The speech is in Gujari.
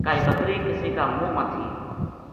کائے بکری کَسی کا مُنہ ما تھی